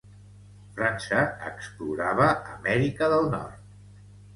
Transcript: França explorava América del Nord.